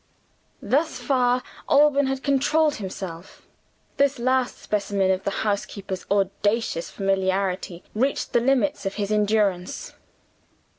Thus far, Alban had controlled himself. This last specimen of the housekeeper's audacious familiarity reached the limits of his endurance.